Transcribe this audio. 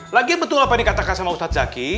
lagi betul apa yang dikatakan sama ustadz zaky